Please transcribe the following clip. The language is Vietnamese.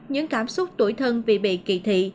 những cảm xúc tuổi thân vì bị kỳ thị